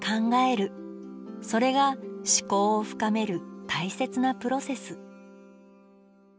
それが思考を深める大切なプロセス。